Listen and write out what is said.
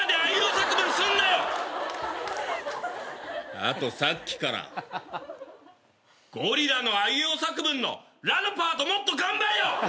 あとさっきからゴリラのあいうえお作文の「ラ」のパートもっと頑張れよ！